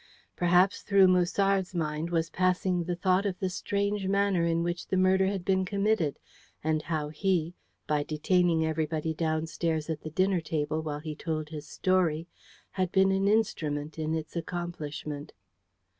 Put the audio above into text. Perhaps through Musard's mind was passing the thought of the strange manner in which the murder had been committed, and how he, by detaining everybody downstairs at the dinner table while he told his story had been an instrument in its accomplishment.